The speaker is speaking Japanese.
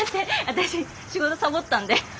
私仕事サボったんで。